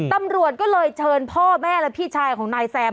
ตำรวจก็เลยเชิญพ่อแม่และพี่ชายของนายแซม